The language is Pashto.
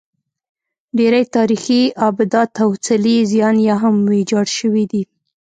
ډېری تاریخي ابدات او څلي یې زیان یا هم ویجاړ شوي دي